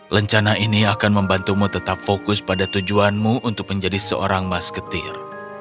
lencana ini akan membantumu tetap fokus pada tujuanmu untuk menjadi seorang masketir